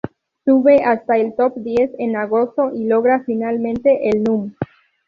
Sube hasta el Top Diez en agosto y logra finalmente el núm.